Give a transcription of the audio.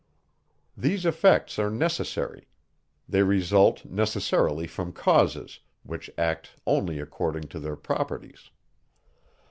These effects are necessary; they result necessarily from causes, which act only according to their properties.